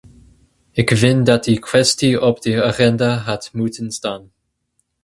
Ik vind dat die kwestie op de agenda had moeten staan.